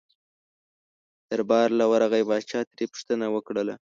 دربار له ورغی پاچا ترې پوښتنه وکړله.